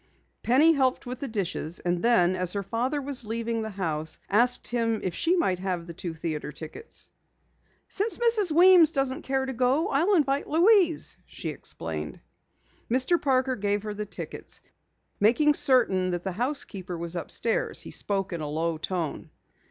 Penny helped with the dishes, and then as her father was leaving the house, asked him if she might have the two theatre tickets. "Since Mrs. Weems doesn't care to go, I'll invite Louise," she explained. Mr. Parker gave her the tickets. Making certain that the housekeeper was upstairs, he spoke in a low tone.